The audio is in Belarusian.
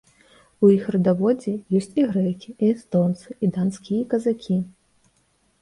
У іх радаводзе ёсць і грэкі, і эстонцы, і данскія казакі.